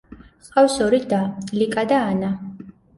ჰყავს ორი და, ლიკა და ანა.